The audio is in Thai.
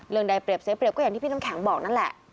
ใดเปรียบเสียเปรียบก็อย่างที่พี่น้ำแข็งบอกนั่นแหละ